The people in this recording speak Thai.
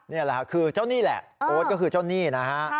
นี่แหละค่ะคือเจ้านี่แหละโอ๊ตก็คือเจ้าหนี้นะฮะ